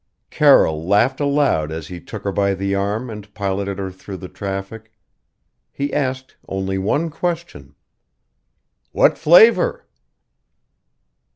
Carroll laughed aloud as he took her by the arm and piloted her through the traffic. He asked only one question: "What flavor?"